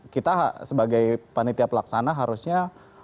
kita sebagai panitia pelaksana harusnya